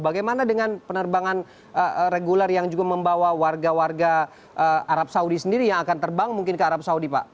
bagaimana dengan penerbangan reguler yang juga membawa warga warga arab saudi sendiri yang akan terbang mungkin ke arab saudi pak